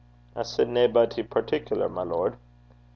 'I said naebody partic'lar, my lord.'